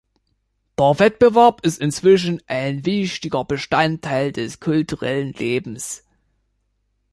Der Wettbewerb ist inzwischen ein wichtiger Bestandteil des kulturellen Lebens.